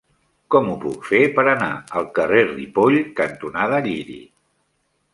Com ho puc fer per anar al carrer Ripoll cantonada Lliri?